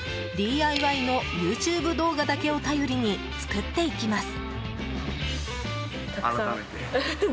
ＤＩＹのＹｏｕＴｕｂｅ動画だけを頼りに作っていきます。